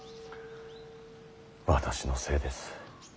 私のせいです。